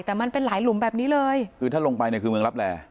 แต่มันเป็นหลายหลุมแบบนี้เลยคือถ้าลงไปเนี่ยคือเมืองรับแร่